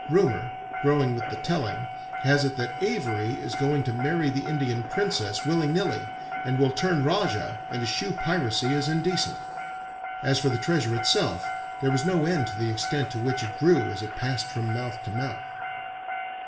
Rumor, growing with the telling, has it that Avary is going to marry the Indian princess, willy nilly, and will turn rajah, and eschew piracy as indecent. As for the treasure itself, there was no end to the extent to which it grew as it passed from mouth to mouth.